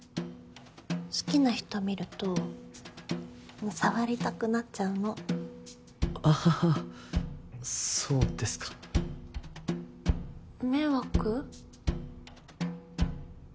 好きな人見ると触りたくなっちゃうのあははそうですか迷惑？